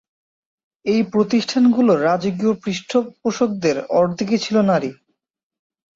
এই প্রতিষ্ঠানগুলোর রাজকীয় পৃষ্ঠপোষকদের অর্ধেকই ছিল নারী।